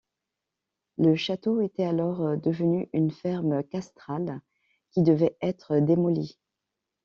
Le château était alors devenu une ferme castrale qui devait être démolie.